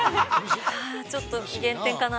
◆ちょっと減点かな。